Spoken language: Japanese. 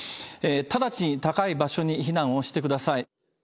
直ちに高い場所に避難をしてください。